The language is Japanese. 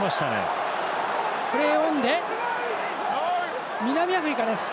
プレーオンで、南アフリカです。